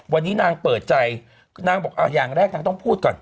วันนี้นางเปิดใจนางบอกอย่างแรกนางต้องพูดก่อน